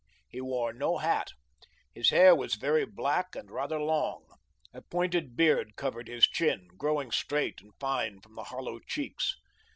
He wore no hat. His hair was very black and rather long. A pointed beard covered his chin, growing straight and fine from the hollow cheeks.